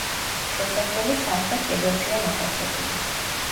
შესასვლელი სამხრეთ კედელშია მოთავსებული.